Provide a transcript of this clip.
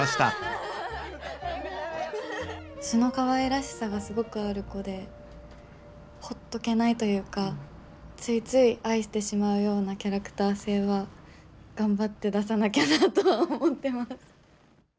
素のかわいらしさがすごくある子でほっとけないというかついつい愛してしまうようなキャラクター性は頑張って出さなきゃなとは思ってます。